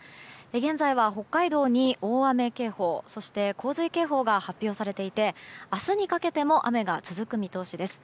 現在は北海道に大雨警報そして、洪水警報が発表されていて明日にかけても雨が続く見通しです。